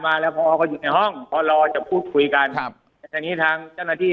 มาหลานอร่อยห้องพอรอก็พูดคุยกันแบบนี้ทางเจ้าหน้าที่